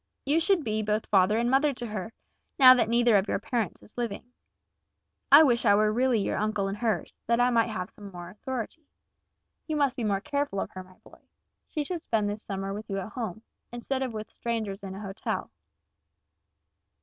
"You should be both father and mother to her, now that neither of your parents is living. I wish I were really your uncle and hers, that I might have some authority. You must be more careful of her, my boy. She should spend this summer with you at home, instead of with strangers in a hotel."